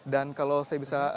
dan kalau saya bisa mengatakan